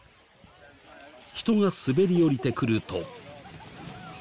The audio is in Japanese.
人が滑り降りてくると。